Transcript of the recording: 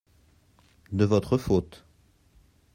de votre faute.